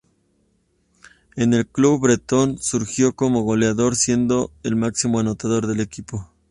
En el club bretón resurgió como goleador, siendo el máximo anotador del equipo.